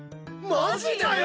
マジかよ！